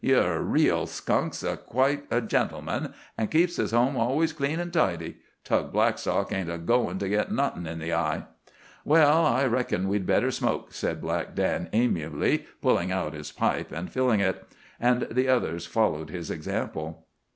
Yer reel skunk's quite a gentleman and keeps his home always clean an' tidy. Tug Blackstock ain't a goin' to git nawthin' in the eye." "Well, I reckon we'd better smoke," said Black Dan amiably, pulling out his pipe and filling it. And the others followed his example.